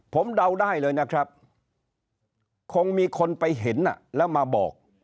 ผมเดาได้เลยนะครับคงมีคนไปเห็นแล้วมาบอก